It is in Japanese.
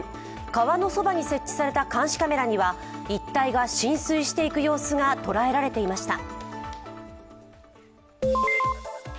川のそばに設置された監視カメラには一帯が浸水していく様子が捉えられていました。